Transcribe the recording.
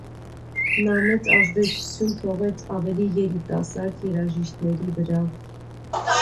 Նա մեծ ազդեցություն թողեց ավելի երիտասարդ երաժիշտների վրա։